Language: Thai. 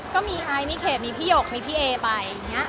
ก็มีไฮมีเขตมีพี่หยกมีพี่เอไป